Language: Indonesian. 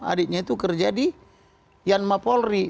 adiknya itu kerja di yanma polri